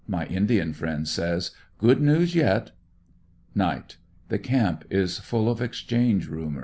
My Indian friend says: ''good news yet." Night. — The camp is full of ex change rumors.